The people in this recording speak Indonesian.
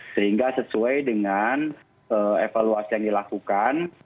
sehingga sesuai dengan evaluasi yang dilakukan